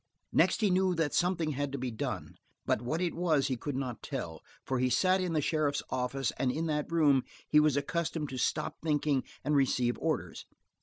Next he knew that something had to be done, but what it was he could not tell, for he sat in the sheriff's office and in that room he was accustomed to stop thinking and receive orders.